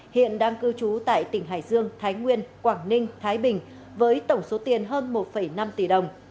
hiện đang cư trú tại tỉnh hải dương thái nguyên quảng ninh thái bình với tổng số tiền hơn một năm tỷ đồng